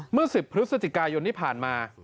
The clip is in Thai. เมื่อ๑๐พฤศจิกายนที่ผ่านมา